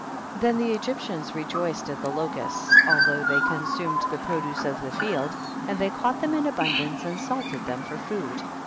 Then the Egyptians rejoiced at the locusts, although they consum ed the produce of the field, and they caught them in abundance and salted them for food.